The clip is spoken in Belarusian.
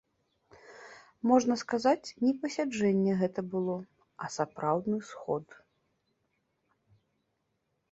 Можна сказаць, не пасяджэнне гэта было, а сапраўдны сход.